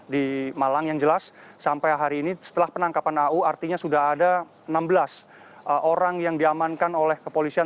di malang yang jelas sampai hari ini setelah penangkapan au artinya sudah ada enam belas orang yang diamankan oleh kepolisian